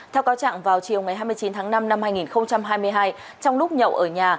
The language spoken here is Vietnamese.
theo cáo trạng vào chiều ngày hai mươi chín tháng năm năm hai nghìn hai mươi hai trong lúc nhậu ở nhà